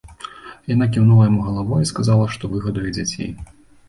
Яна кіўнула яму галавой і сказала, што выгадуе дзяцей.